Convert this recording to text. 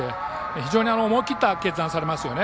非常に思い切った決断をされますよね。